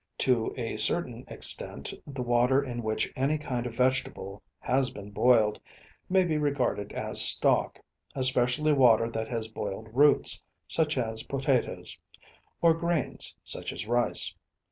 To a certain extent the water in which any kind of vegetable has been boiled may be regarded as stock, especially water that has boiled roots, such as potatoes; or grains, such as rice.